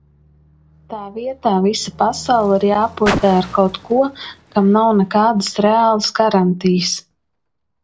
Tā vietā visa pasaule ir jāpotē ar kaut ko, kam nav nekādas reālas garantijas...